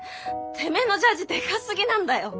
てめえのジャージでかすぎなんだよ。